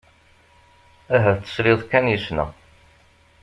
Ahat tesliḍ kan yes-neɣ.